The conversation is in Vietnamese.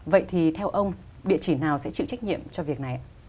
vậy thì theo ông địa chỉ nào sẽ chịu trách nhiệm cho việc này ạ